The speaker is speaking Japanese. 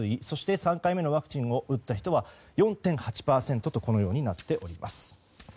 そして３回目のワクチンを打った人は４．８％となっております。